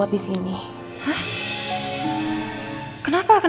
ada orang di depan